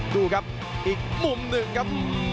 ดูครับอีกมุมหนึ่งครับ